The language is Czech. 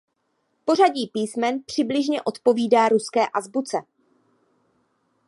Pořadí písmen přibližně odpovídá ruské azbuce.